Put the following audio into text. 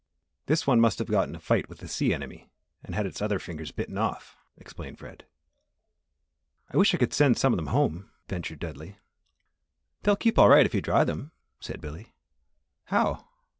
This one must have got in a fight with a sea enemy and had its other fingers bitten off," explained Fred. "I wish I could send some of them home," ventured Dudley. "They'll keep all right, if you dry them," said Billy. "How?"